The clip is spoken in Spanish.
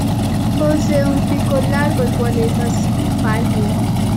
Posee un pico largo el cual es azul pálido.